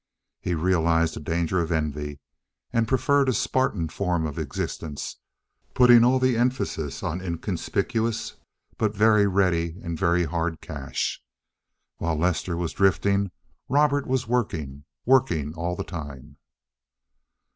He realized the danger of envy, and preferred a Spartan form of existence, putting all the emphasis on inconspicuous but very ready and very hard cash. While Lester was drifting Robert was working—working all the time.